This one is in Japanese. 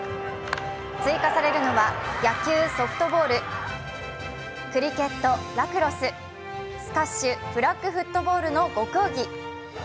追加されるのは野球・ソフトボール、クリケット、ラクロス、スカッシュ、フラッグフットボールの５競技。